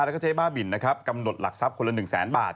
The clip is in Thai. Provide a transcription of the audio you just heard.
และเจ๊บ้าบินกำหนดหลักทรัพย์คนละ๑๐๐๐๐๐บาท